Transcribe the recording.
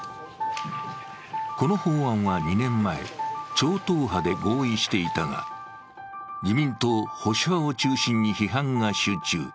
この法案は２年前、超党派で合意していたが、自民党保守派を中心に批判が集中。